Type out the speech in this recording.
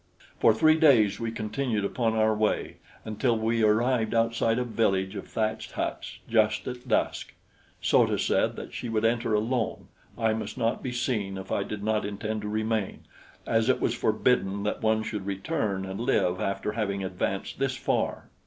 For three days we continued upon our way, until we arrived outside a village of thatched huts just at dusk. So ta said that she would enter alone; I must not be seen if I did not intend to remain, as it was forbidden that one should return and live after having advanced this far.